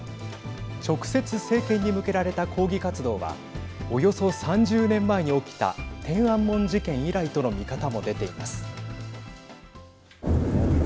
直接政権に向けられた抗議活動はおよそ３０年前に起きた天安門事件以来との見方も出ています。